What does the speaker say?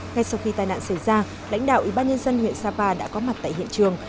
ngay sau khi tai nạn xảy ra lãnh đạo ủy ban nhân dân huyện sapa đã có mặt tại hiện trường